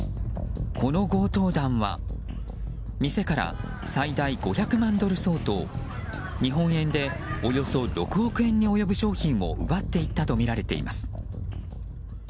この強盗団は店から最大５００万ドル相当日本円でおよそ６億円に及ぶ商品を奪っていったとみられています。